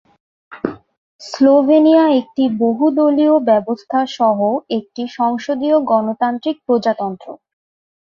Slovenia একটি বহু-দলীয় ব্যবস্থা সহ একটি সংসদীয় গণতান্ত্রিক প্রজাতন্ত্র।